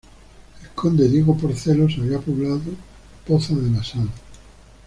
El conde Diego Porcelos había poblado Poza de la Sal.